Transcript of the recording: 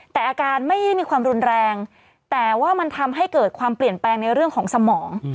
แต่อาการไม่ได้มีความรุนแรงแต่ว่ามันทำให้เกิดความเปลี่ยนแปลงในเรื่องของสมอง